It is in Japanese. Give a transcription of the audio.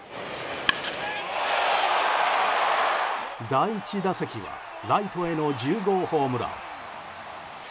第１打席はライトへの１０号ホームラン。